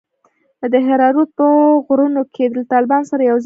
د دهراوت په غرونوکښې له طالبانو سره يوځاى سو.